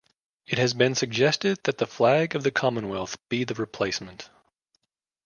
It has been suggested that the Flag of the Commonwealth be the replacement.